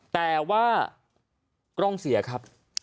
แต่ว่ากล้องเสียครับ